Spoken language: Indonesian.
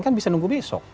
kan bisa nunggu besok